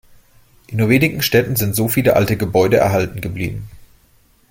In nur wenigen Städten sind so viele alte Gebäude erhalten geblieben.